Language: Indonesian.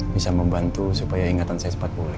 bisa membantu supaya ingatan saya sempat boleh